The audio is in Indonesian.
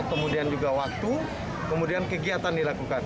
kemudian juga waktu kemudian kegiatan dilakukan